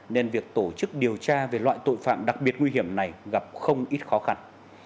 nên việc tổ chức điều tra về loại tội phạm đặc biệt nguy hiểm này gặp không ít khó khăn